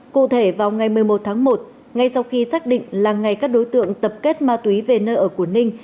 cụ thể vào ngày một mươi một tháng một ngay sau khi xác định là ngày các đối tượng tập kết ma túy về nơi ở của ninh